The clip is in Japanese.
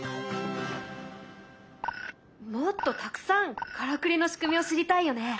もっとたくさんからくりの仕組みを知りたいよね。